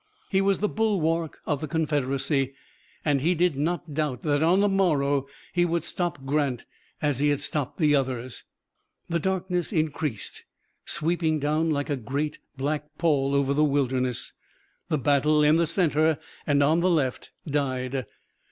He was the bulwark of the Confederacy, and he did not doubt that on the morrow he would stop Grant as he had stopped the others. The darkness increased, sweeping down like a great black pall over the Wilderness. The battle in the center and on the left died.